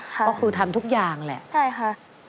ก็คือทำทุกอย่างแหละใช่ค่ะ